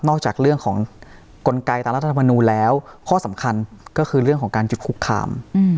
จากเรื่องของกลไกตามรัฐธรรมนูลแล้วข้อสำคัญก็คือเรื่องของการจุดคุกคาม